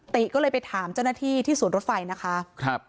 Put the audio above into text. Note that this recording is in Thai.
ติก็เลยไปถามเจ้าหน้าที่ที่สวนรถไฟนะคะครับ